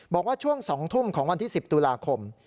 บอกว่าช่วง๒ทุ่มของวันที่๑๐ตุลาคม